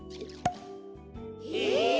へえ。